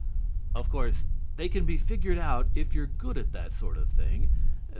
Of course, they can be figured out if you're good at that sort of thing.